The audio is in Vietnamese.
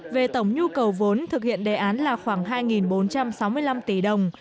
về tổng nhu cầu vốn thực hiện đề án là khoảng hai bốn trăm sáu mươi năm tỷ đồng